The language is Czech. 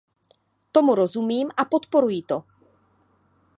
Tomu rozumím a podporuji to.